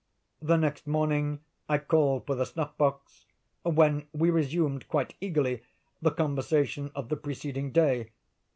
"The next morning I called for the snuff box, when we resumed, quite eagerly, the conversation of the preceding day.